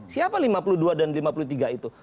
siapa lima puluh dua dan lima puluh tiga itu